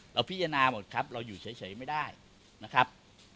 พิจารณาหมดครับเราอยู่เฉยไม่ได้นะครับ